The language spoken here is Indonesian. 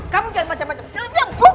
kamu jangan macam macam sylvia buka pintu